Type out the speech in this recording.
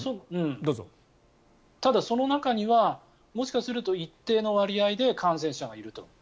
ただ、その中にはもしかすると一定の割合で感染者がいると。